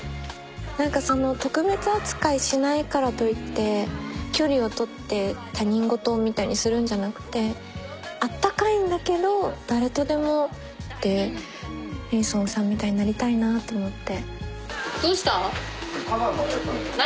何か特別扱いしないからといって距離を取って他人事みたいにするんじゃなくて温かいんだけど誰とでもってレイソンさんみたいになりたいなと思って。